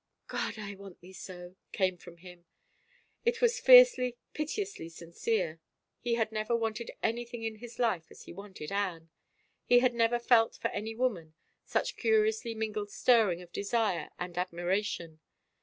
" God — I want thee so I " came from him. It was fiercely, piteously sincere. He had never wanted any thing in his life as he wanted Anne. He had never felt for any woman such curiously mingled stirring of desire and admiration.